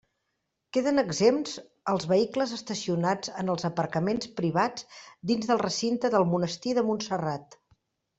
Queden exempts els vehicles estacionats en els aparcaments privats dins del recinte del monestir de Montserrat.